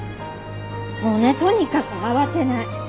もうねとにかく慌てない。